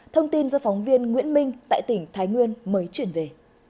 thông tin do phóng viên nguyễn minh tại tỉnh thái nguyên mới chuyển về